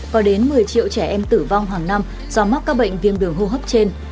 có đến một mươi triệu trẻ em tử vong hàng năm do mắc các bệnh viêm đường hô hấp trên